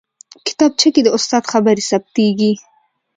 کتابچه کې د استاد خبرې ثبتېږي